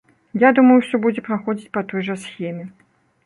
Я думаю, усё будзе праходзіць па той жа схеме.